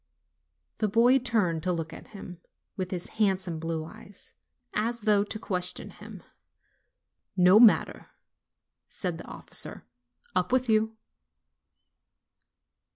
The boy turned to look at him, with his handsome blue eyes, as though to question him. "No matter," said the officer; "up with you!"